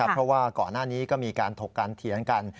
เพราะว่าก่อนหน้านี้ก็มีการถกการเถียงกัน